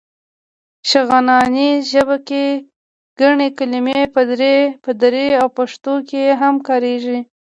شغناني ژبه کې ګڼې کلمې په دري او پښتو کې هم کارېږي.